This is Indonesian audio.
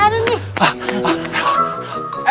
aduh bawa bawa buka bawa